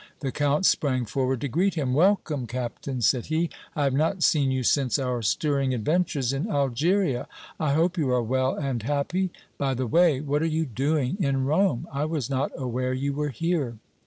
The Count sprang forward to greet him. "Welcome, Captain," said he. "I have not seen you since our stirring adventures in Algeria. I hope you are well and happy. By the way, what are you doing, in Rome? I was not aware you were here."